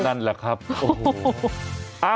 นั่นแหละครับโอ้โห